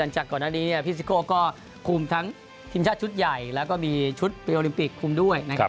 จากก่อนหน้านี้พี่ซิโก้ก็คุมทั้งทีมชาติชุดใหญ่แล้วก็มีชุดปิโอลิมปิกคุมด้วยนะครับ